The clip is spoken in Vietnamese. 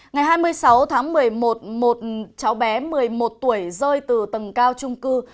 ngày hai mươi sáu tháng một mươi một một cháu bé một mươi một tuổi rơi từ tầng cao trung cư